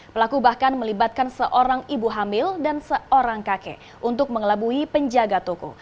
pelaku bahkan melibatkan seorang ibu hamil dan seorang kakek untuk mengelabui penjaga toko